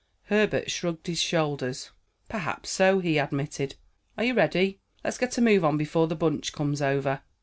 Herbert shrugged his shoulders. "Perhaps so," he admitted. "Are you ready? Let's get a move on before the bunch comes over."